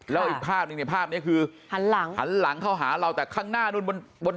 แล้วอีกภาพหนึ่งเนี่ยภาพนี้คือหันหลังหันหลังเข้าหาเราแต่ข้างหน้านู้นบนบน